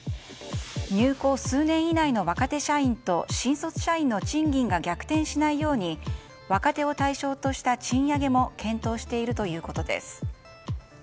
入行数年以内の若手社員と新卒社員の賃金が逆転しないように若手を対象とした賃上げも検討しているということです。